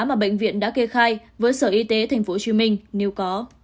mà bệnh viện đã kê khai với sở y tế tp hcm nếu có